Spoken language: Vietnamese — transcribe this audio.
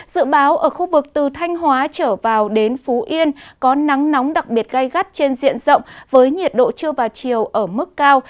dự báo ở khu vực từ thanh hóa trở vào đến phú yên có nắng nóng đặc biệt gai gắt trên diện rộng với nhiệt độ trưa và chiều ở mức cao